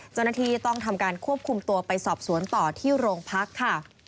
เจ้าหน้าที่ต้องทำการควบคุมตัวไปสอบสวนต่อที่โรงพักค่ะ